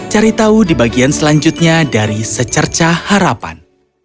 cari tahu di bagian selanjutnya dari secerca harapan